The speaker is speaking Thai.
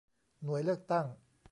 หน่วยเลือกตั้ง